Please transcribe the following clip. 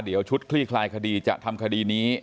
เดี๋ยวชุดคลี่คลายคดีจะทำคดีนี้